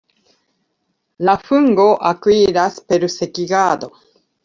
La fungo akiras, per sekigado.